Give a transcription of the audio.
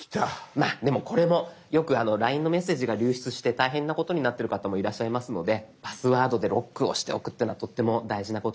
まあでもこれもよくＬＩＮＥのメッセージが流出して大変なことになってる方もいらっしゃいますのでパスワードでロックをしておくというのはとっても大事なことかと思います。